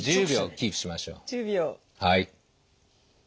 １０秒キープしましょう。